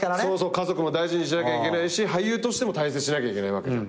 家族も大事にしなきゃいけないし俳優としても大成しなきゃいけないわけじゃん。